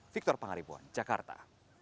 victor pangaribuan jakarta